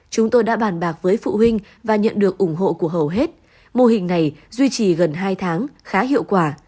chúng tôi đã bàn bạc với phụ huynh và nhận được ủng hộ của hầu hết mô hình này duy trì gần hai tháng khá hiệu quả